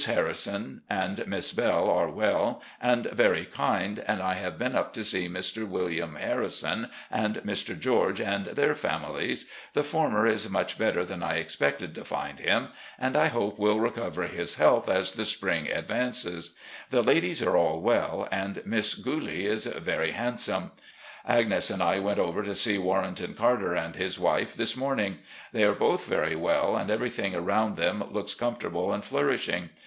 Harrison and Miss Belle are well and very kmd, and I have been up to see Mr. William Harrison and Mr. George and their families. The former is much bet Attorney General in Mr. Davis's cabinet. 402 RECOLLECTIONS OF GENERAL LEE ter than I expected to find him, and I hope will recover his health as the spring advances. The ladies are all well, and Miss Gtilie is very handsome. Agnes and I went over to see Warrenton Carter and his wife this morning. They are both very well, and everything around them looks com fortable and flourishing.